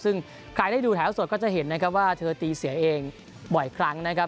ซึ่งใครได้ดูแถวสดก็จะเห็นนะครับว่าเธอตีเสียเองบ่อยครั้งนะครับ